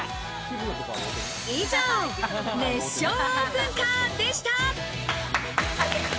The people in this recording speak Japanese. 以上、熱唱オープンカーでした。